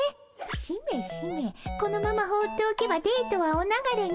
しめしめこのまま放っておけばデートはお流れに。